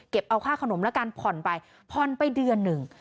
เอาค่าขนมแล้วกันผ่อนไปผ่อนไปเดือนหนึ่ง